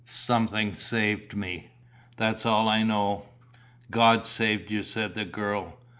Something saved me. That's all I know." "God saved you," said the girl.